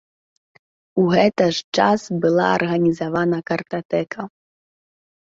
У гэта ж час была арганізавана картатэка.